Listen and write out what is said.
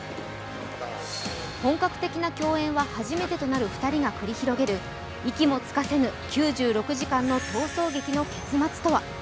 本格的な共演は初めてとなる２人が繰り広げる息もつかせぬ９６時間の逃走劇の結末とは？